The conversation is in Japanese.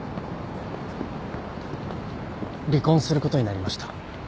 離婚することになりました。